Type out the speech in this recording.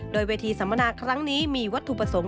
โดยเวทีสัมมนาครั้งนี้มีวัตถุประสงค์